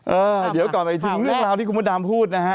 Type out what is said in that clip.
เออเดี๋ยวก่อนไปถึงเรื่องราวที่คุณพระดำพูดนะฮะ